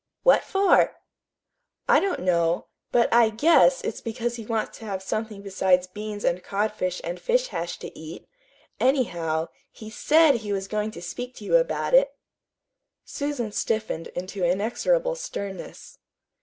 "What for?" "I don't know; but I GUESS it's because he wants to have something besides beans and codfish and fish hash to eat. Anyhow, he SAID he was going to speak to you about it." Susan stiffened into inexorable sternness.